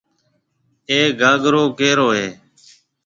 اَي گھاگرو ڪَيرو هيَ۔